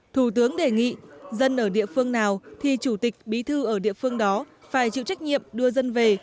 thủ tướng đề nghị dân ở địa phương nào thì chủ tịch bí thư ở địa phương đó phải chịu trách nhiệm đưa dân về